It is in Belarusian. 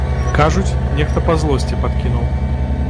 Кажуць, нехта па злосці падкінуў.